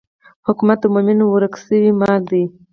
حکمت د مومن ورک شوی مال دی.